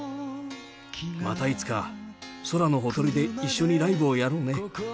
またいつか、空のほとりで一緒にライブをやろうね。